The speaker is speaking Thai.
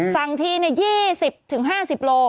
สั่งทีเนี่ย๒๐๕๐โล